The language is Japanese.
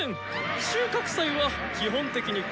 収穫祭は基本的に個人戦。